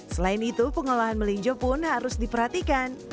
selain itu pengolahan melinjo pun harus diperhatikan